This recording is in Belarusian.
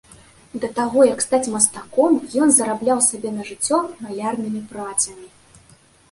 Да таго, як стаць мастаком, ён зарабляў сабе на жыццё малярнымі працамі.